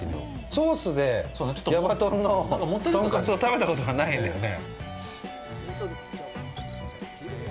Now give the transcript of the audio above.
ソースで矢場とんのとんかつを食べたことがないんだよね。